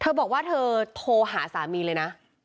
บอกว่าเธอโทรหาสามีเลยนะ